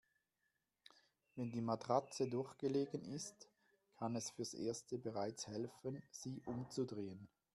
Wenn die Matratze durchgelegen ist, kann es fürs Erste bereits helfen, sie umzudrehen.